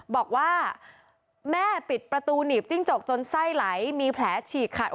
บอกว่าแม่ปิดประตูหนีบจิ้งจกจนไส้ไหลมีแผลฉีกขาด